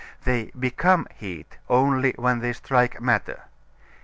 They become heat only when they strike matter.